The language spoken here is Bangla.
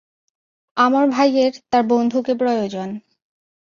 আমার ভাইয়ের, তার বন্ধুকে প্রয়োজন।